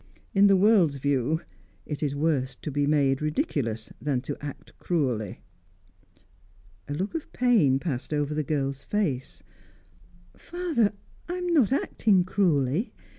In the world's view, it is worse to be made ridiculous than to act cruelly." A look of pain passed over the girl's face. "Father I am not acting cruelly.